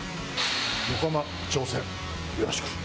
横浜頂戦、よろしく。